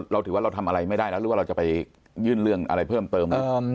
เราถือว่าเราทำอะไรไม่ได้แล้วหรือว่าเราจะไปยื่นเรื่องอะไรเพิ่มเติม